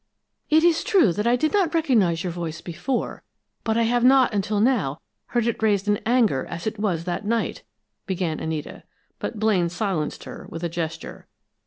"It is true that I did not recognize your voice before, but I have not until now heard it raised in anger as it was that night " began Anita, but Blaine silenced her with a gesture.